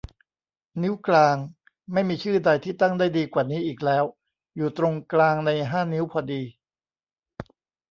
นิ้วกลาง ไม่มีชื่อใดที่ตั้งได้ดีกว่านี้อีกแล้ว อยู่ตรงกลางในห้านิ้วพอดี